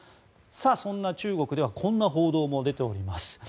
そんな中国ではこんな報道も出ております。